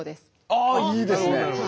ああいいですね！